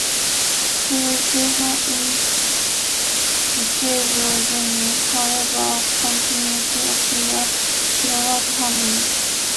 Clues to her inevitable demise, however, continue to appear throughout her dream.